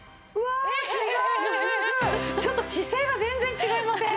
ちょっと姿勢が全然違いません？